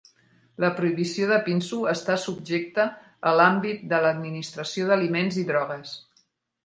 La prohibició de pinso està subjecta a l'àmbit de l'Administració d'Aliments i Drogues.